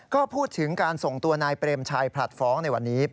ก็พูดถึงการส่งตัวนายเปรมชัยผลัดฟ้องในวันนี้